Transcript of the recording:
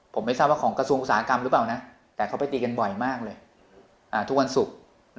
ผมไม่ทราบว่าของกระทรวงอุตสาหกรรมหรือเปล่านะแต่เขาไปตีกันบ่อยมากเลยทุกวันศุกร์